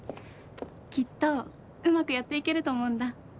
きっとうまくやっていけると思うんだ。